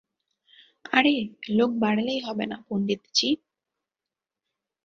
আরে লোক বাড়ালেই হবে না, পন্ডিতজি।